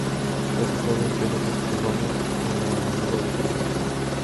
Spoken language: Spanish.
Está situada en pleno casco urbano, en la avenida de Salamanca.